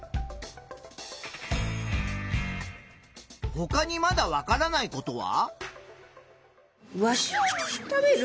ほかにまだわからないことは？